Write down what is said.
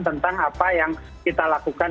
tentang apa yang kita lakukan